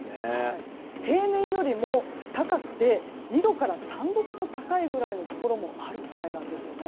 平年よりも高くて２度から３度ほど高いくらいのところもあるくらいなんです。